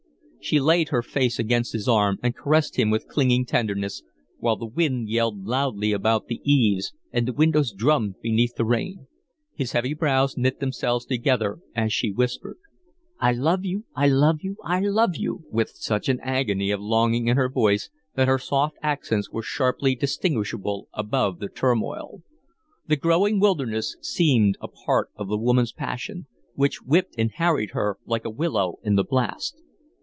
She laid her face against his arm and caressed him with clinging tenderness, while the wind yelled loudly about the eaves and the windows drummed beneath the rain. His heavy brows knit themselves together as she whispered: "I love you! I love you! I love you!" with such an agony of longing in her voice that her soft accents were sharply distinguishable above the turmoil. The growing wildness seemed a part of the woman's passion, which whipped and harried her like a willow in a blast.